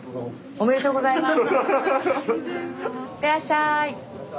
おめでとうございます。